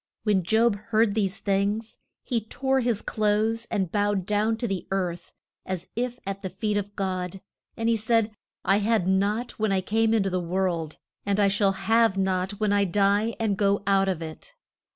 When Job heard these things he tore his clothes, and bowed down to the earth, as if at the feet of God. And he said, I had nought when I came in to the world, and I shall have nought when I die and go out of it.